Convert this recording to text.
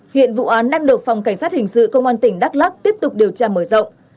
hiện vụ án đang được phòng cảnh sát hình sự công an tỉnh đắk lắc tiếp tục điều tra mở rộng